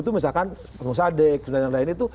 itu misalkan permusadek dan lain lain itu